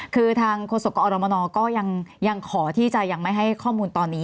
คือทางโฆษกอรมนก็ยังขอที่จะยังไม่ให้ข้อมูลตอนนี้